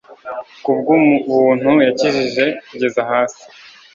ku bw'ubuntu yakijije, kugeza hasi